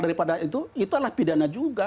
daripada itu itu adalah pidana juga